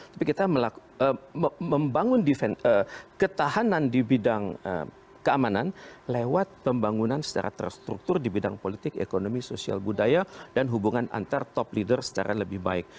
tapi kita membangun ketahanan di bidang keamanan lewat pembangunan secara terstruktur di bidang politik ekonomi sosial budaya dan hubungan antar top leader secara lebih baik